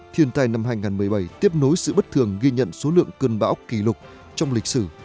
thiên tai năm hai nghìn một mươi bảy tiếp nối sự bất thường ghi nhận số lượng cơn bão kỷ lục trong lịch sử